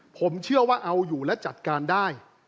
ผมเชื่อว่าเอาอยู่และจัดการได้